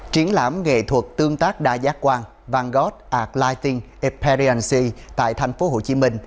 chiến lãm nghệ thuật tương tác đa giác quan vanguard art lighting experience tại thành phố hồ chí minh